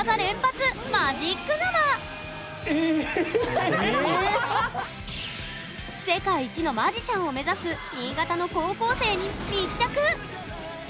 ここからは世界一のマジシャンを目指す新潟の高校生に密着！